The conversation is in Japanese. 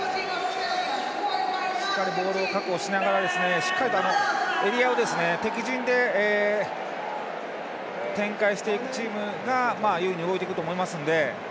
しっかりボールを確保しながらしっかりとエリアを敵陣で展開していくチームが有利に動いてくると思いますので。